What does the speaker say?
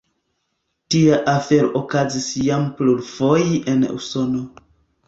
Tia afero okazis jam plurfoje en Usono.